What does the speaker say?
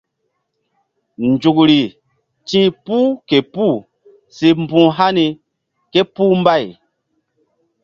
Nzukri ti̧h puh ke puh si mbu̧h hani ké puh mbay.